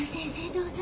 どうぞ。